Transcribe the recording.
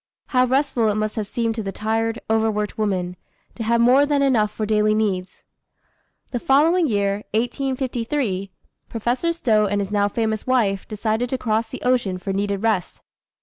How restful it must have seemed to the tired, over worked woman, to have more than enough for daily needs! The following year, 1853, Professor Stowe and his now famous wife decided to cross the ocean for needed rest.